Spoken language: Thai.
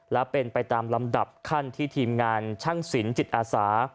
และเป็นไปตามลำดับขั้นที่ทีมงานช่างสินจิตอาสา